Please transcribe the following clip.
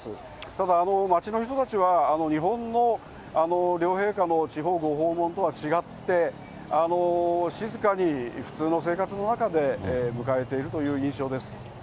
ただ、街の人たちは日本の両陛下の地方ご訪問とは違って、静かに普通の生活の中で迎えているという印象です。